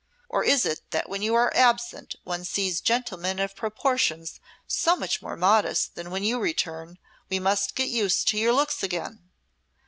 Or is it that when you are absent one sees gentlemen of proportions so much more modest that when you return we must get used to your looks again.